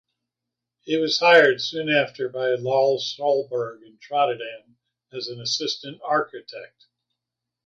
He was hired soon after by Lars Solberg in Trondheim as an assistant architect.